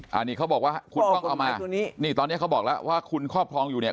อันนี้เขาบอกว่าคุณต้องเอามานี่ตอนนี้เขาบอกแล้วว่าคุณครอบครองอยู่เนี่ย